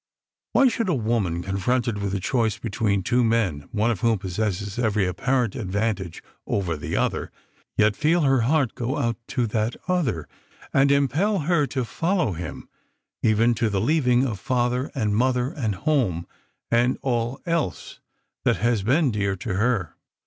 Why should a woman, confronted with the choice between two men, one of whom possesses every apparent advantage over the other, yet feel her heart go out to that other, and impel her to follow him, even to the leaving of father and mother and home, and all else that has been dear to her?